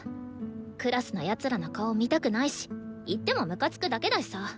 クラスの奴らの顔見たくないし行ってもムカつくだけだしさ。